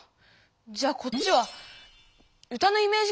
じゃあこっちは「歌のイメージ」